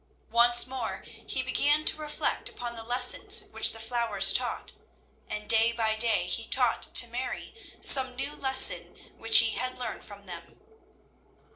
Once more he began to reflect upon the lessons which the flowers taught, and day by day he taught to Mary some new lesson which he had learned from them.